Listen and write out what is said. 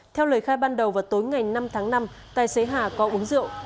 theo lời khai ban đầu vào tối ngày năm tháng năm tài xế hà có uống rượu